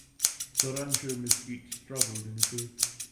The Rancho Mesquite struggled initially.